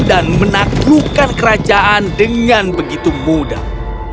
dan menaklukkan kerajaan dengan begitu mudah